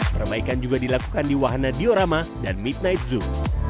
perbaikan juga dilakukan di wahana diorama dan midnight zoom